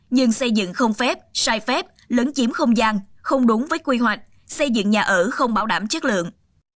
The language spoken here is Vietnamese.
nhưng xây dựng không phép sai phép lấn chiếm không gian không đúng với quy hoạch xây dựng nhà ở không bảo đảm chất lượng